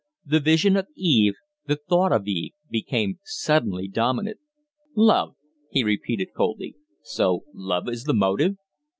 The vision of Eve, the thought of Eve, became suddenly dominant. "Love?" he repeated, coldly. "So love is the motive?"